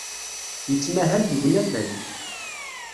Yettmahal deg unafag.